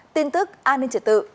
tin tức an ninh triệt tự